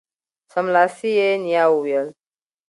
سملاسي یې نیا وویل